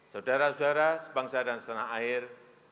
saudara saudara sebangsa dan setanah air